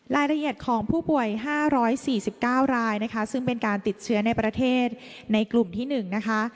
รายละเอียดของผู้ป่วย๕๔๙รายนะคะซึ่งเป็นการติดเชื้อในประเทศในกลุ่มที่๑นะคะ